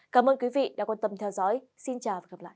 cảm ơn quý vị đã quan tâm theo dõi xin chào và hẹn gặp lại